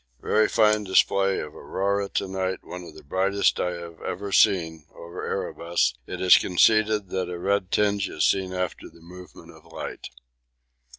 Very fine display of aurora to night, one of the brightest I have ever seen over Erebus; it is conceded that a red tinge is seen after the movement of light.